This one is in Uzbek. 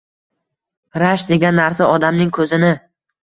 Rashk degan narsa odamning ko`zini